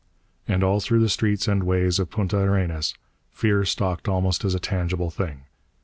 And all through the streets and ways of Punta Arenas, fear stalked almost as a tangible thing.